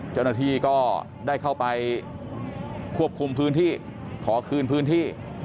เจ้าหน้าที่ก็ได้เข้าไปควบคุมพื้นที่ขอคืนพื้นที่